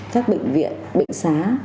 các bệnh viện bệnh xá